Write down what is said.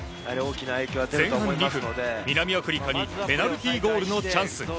前半２分、南アフリカにペナルティーゴールのチャンス。